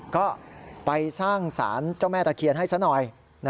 ก็ไปสร้างสารเจ้าแม่ตะเคียนให้ซะหน่อย